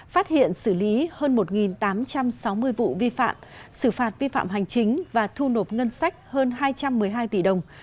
phát hiện xử lý hơn một tám trăm sáu mươi vụ vi phạm xử phạt vi phạm hành chính và thu nộp ngân sách hơn hai trăm một mươi hai tỷ đồng